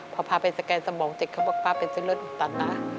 พอพาไปสแกนสมองเสร็จเขาบอกป้าเป็นเส้นเลือดอุดตันนะ